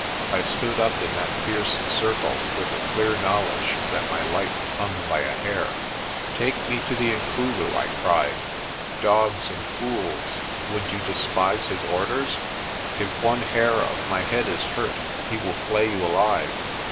I stood up in that fierce circle with the clear knowledge that my life hung by a hair. "Take me to Inkulu," I cried. "Dogs and fools, would you despise his orders? If one hair of my head is hurt, he will flay you alive.